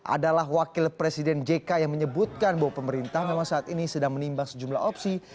adalah wakil presiden jk yang menyebutkan bahwa pemerintah memang saat ini sedang menimbang sejumlah opsi